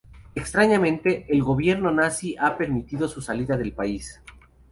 Extrañamente, el gobierno nazi ha permitido su salida del país.